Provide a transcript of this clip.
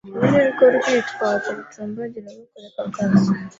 Urwo ni urwitwazo rucumbagira rwo kureka akazi.